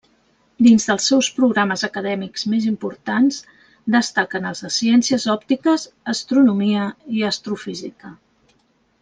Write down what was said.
Dins dels seus programes acadèmics més importants, destaquen els de ciències òptiques, astronomia i astrofísica.